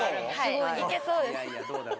はいいけそうです